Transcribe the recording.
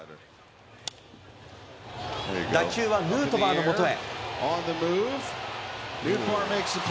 打球はヌートバーのもとへ。